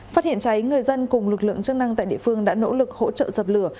phát hiện cháy người dân cùng lực lượng chức năng tại địa phương đã nỗ lực hỗ trợ dập lửa